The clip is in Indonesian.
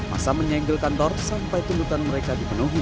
masa menyegel kantor sampai tuntutan mereka dipenuhi